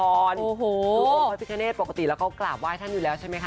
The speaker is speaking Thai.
โอ้โหพระพิฆเนตปกติแล้วก็กราบไหว้ท่านอยู่แล้วใช่ไหมคะ